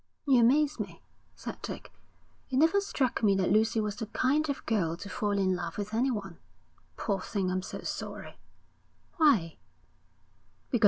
'You amaze me,' said Dick. 'It never struck me that Lucy was the kind of girl to fall in love with anyone. Poor thing. I'm so sorry.' 'Why?'